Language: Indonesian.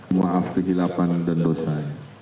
maaf kehilapan dan dosa